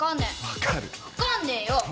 分かんねえよ。